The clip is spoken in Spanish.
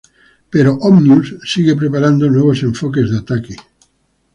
Pero Omnius sigue preparando nuevos enfoques de ataque.